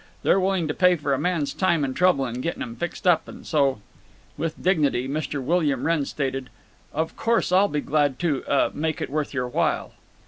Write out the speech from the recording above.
They're willing to pay for a man's time and trouble in getting 'em fixed up, and so—" With dignity Mr. William Wrenn stated, "Of course I'll be glad to—uh—make it worth your while."